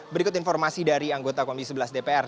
berikut informasi dari anggota komisi sebelas dpr